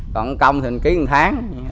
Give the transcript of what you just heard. còn công thì mình ký một tháng